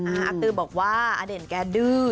ไม่ระวังนะไม่ระวังแต่ว่ามันจะทำยังไงเพราะแก่ดื้อ